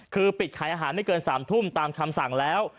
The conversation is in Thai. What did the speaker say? คือปิดขายอาหารไม่เกิน๓ทุ่มตามคำสั่งแล้ว